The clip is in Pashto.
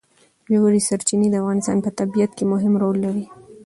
ژورې سرچینې د افغانستان په طبیعت کې مهم رول لري.